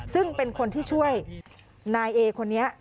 ซึ่งเป็นคนที่ช่วยนายเอคนนี้